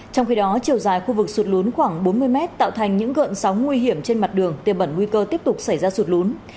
trong khi đó chiều dài khu vực sụt lún khoảng bốn mươi mét tạo thành những gợn sóng nguy hiểm trên mặt đường tiêm bẩn nguy cơ tiếp tục xảy ra sụt lún